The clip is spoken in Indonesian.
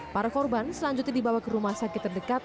para korban selanjutnya dibawa ke rumah sakit terdekat